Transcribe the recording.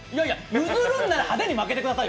譲るんなら派手に負けてくださいよ。